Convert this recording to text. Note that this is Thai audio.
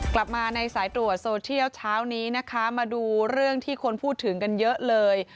กลับมาในสายตรวจโซเชียลเช้านี้นะคะมาดูเรื่องที่คนพูดถึงกันเยอะเลย